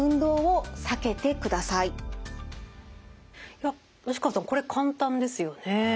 いや吉川さんこれ簡単ですよね。